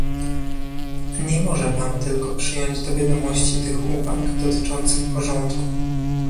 Nie może pan tylko przyjąć do wiadomości tych uwag dotyczących porządku